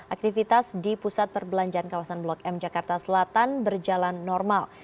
aktivitas di pusat perbelanjaan kawasan blok m jakarta selatan berjalan normal